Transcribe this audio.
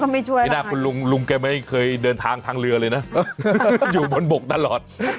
ไม่ได้ลุงแกไม่เคยเดินทางทางเรือเลยนะอยู่บนบกตลอด